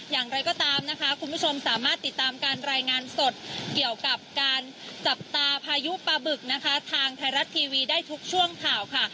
อย่างไรก็ตามนะคะคุณผู้ชมสามารถติดตามการรายงานสดเกี่ยวกับการจับตาพายุปลาบึกนะคะทางไทยรัฐทีวีได้ทุกช่วงข่าวค่ะ